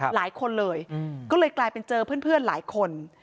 หลายคนเลยก็เลยกลายเป็นเจอเพื่อนหลายคน